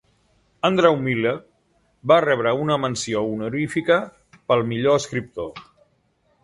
Andrew Miller va rebre una Menció Honorífica pel Millor Escriptor.